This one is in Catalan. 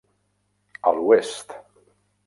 A l'oest.